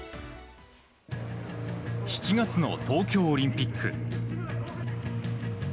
７月の東京オリンピック。